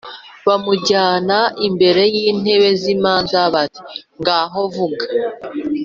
bamujyana imbere y intebe y imanza bati ngaho vuga